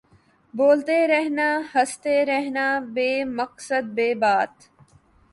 بولتے رہنا ہنستے رہنا بے مقصد بے بات